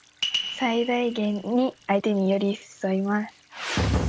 最大限に相手に寄り添います。